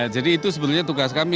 jadi itu sebenarnya tugas kami